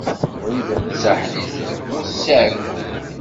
Wrida Tasaḥlit temmut seg ɛeyyu.